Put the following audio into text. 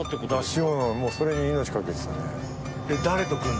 出し物それに命懸けてたね。